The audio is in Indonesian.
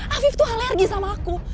hafif itu alergi sama aku